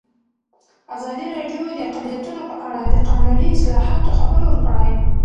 ازادي راډیو د اقلیتونه په اړه د قانوني اصلاحاتو خبر ورکړی.